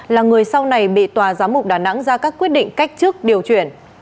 là người sau này bị tòa giám mục đà nẵng ra các quyết định cách chức điều chuyển